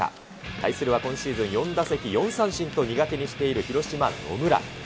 対するは今シーズン４打席４三振と苦手にしている広島、野村。